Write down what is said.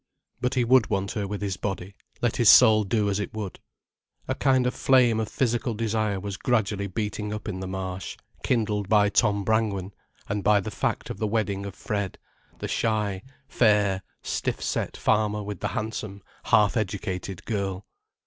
But he would want her with his body, let his soul do as it would. A kind of flame of physical desire was gradually beating up in the Marsh, kindled by Tom Brangwen, and by the fact of the wedding of Fred, the shy, fair, stiff set farmer with the handsome, half educated girl.